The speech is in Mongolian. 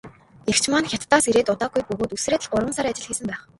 Эгч маань Хятадаас ирээд удаагүй бөгөөд үсрээд л гурван сар ажил хийсэн байх.